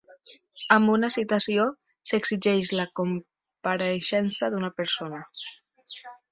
Amb una "citació" s'exigeix la compareixença d'una persona.